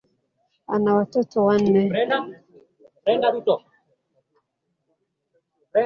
Ana watoto wanne.